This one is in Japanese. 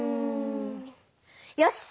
よし！